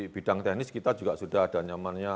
bidang teknis kita juga sudah ada nyamannya